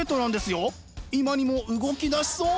今にも動き出しそう！